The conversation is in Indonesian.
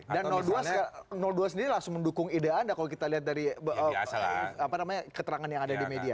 dan dua sendiri langsung mendukung ide anda kalau kita lihat dari keterangan yang ada di media